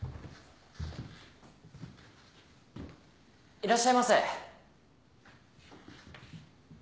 ・いらっしゃいませ。